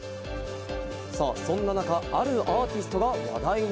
そんな中、あるアーティストが話題に。